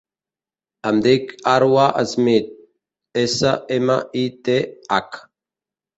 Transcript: Em dic Arwa Smith: essa, ema, i, te, hac.